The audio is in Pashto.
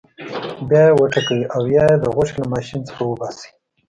بیا یې وټکوئ او یا یې د غوښې له ماشین څخه وباسئ.